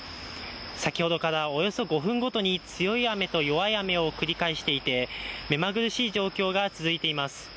先ほどからおよそ５分ごとに強い雨と弱い雨を繰り返していて、目まぐるしい状況が続いています。